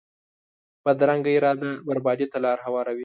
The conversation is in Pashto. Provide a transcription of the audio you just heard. بدرنګه اراده بربادي ته لار هواروي